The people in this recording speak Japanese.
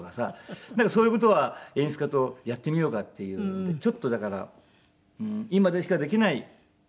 そういう事は演出家と「やってみようか」っていうのでちょっとだから今でしかできない。